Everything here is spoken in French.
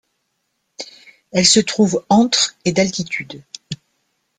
Elle se trouve entre et d'altitude.